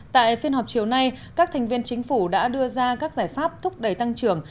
tại phiên họp chiều nay các thành viên chính phủ đã đưa ra các giải pháp thúc đẩy tăng trưởng